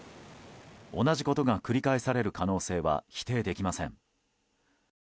同じことが繰り返される可能性は否定できません。